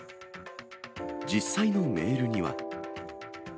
実際のメールには。